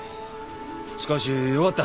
しかしよかった。